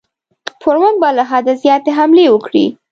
پر موږ به له حده زیاتې حملې وکړي.